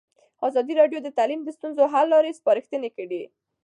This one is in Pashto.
ازادي راډیو د تعلیم د ستونزو حل لارې سپارښتنې کړي.